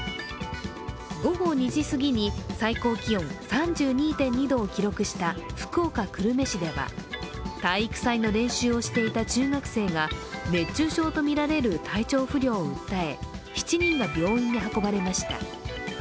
午後２時すぎに最高気温３２．２度を記録した福岡・久留米市では体育祭の練習をしていた中学生が熱中症とみられる体調不良を訴え７人が病院に運ばれました。